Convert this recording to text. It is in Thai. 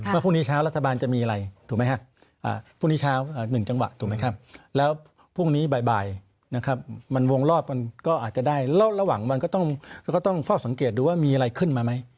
พรุ่งนี้เช้ารัฐบาลจะมีอะไรถูกไหมฮะพรุ่งนี้เช้า๑จังหวะถูกไหมครับแล้วพรุ่งนี้บ่ายนะครับมันวงรอบมันก็อาจจะได้ระหว่างมันก็ต้องเฝ้าสังเกตดูว่ามีอะไรขึ้นมาไหม